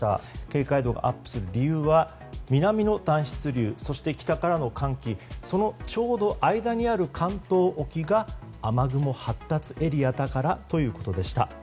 警戒度がアップする理由は南の暖湿流、北からの寒気そのちょうど間にある関東沖が雨雲発達エリアだからということでした。